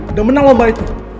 udah menang lomba itu